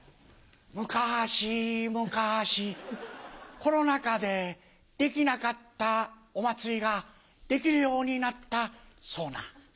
むかしむかしコロナ禍でできなかったお祭りができるようになったそうな。